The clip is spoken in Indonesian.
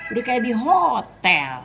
udah kayak di hotel